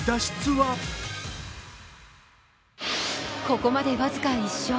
ここまで僅か１勝。